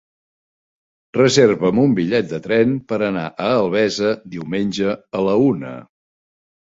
Reserva'm un bitllet de tren per anar a Albesa diumenge a la una.